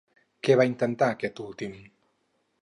Què va intentar, aquest últim?